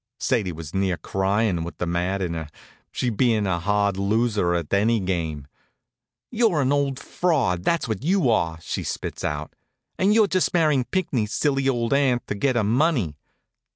Sadie was near cryin with the mad in her, she bein' a hard loser at any game. "You're an old fraud, that's what you are!" she spits out. "And you're just marrying Pinckney's silly old aunt to get her money."